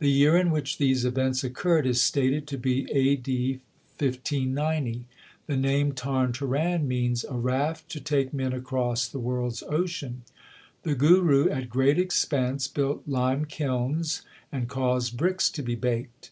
The year in which these events occurred is stated to be A. D. 1590. The name Tarn Taran means a raft to take men across the world s ocean. The Guru, at great expense, built lime kilns and caused bricks to be baked.